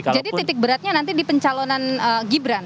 jadi titik beratnya nanti di pencalonan gibran